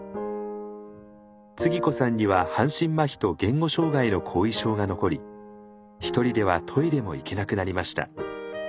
つぎ子さんには半身まひと言語障害の後遺症が残り一人ではトイレも行けなくなりました。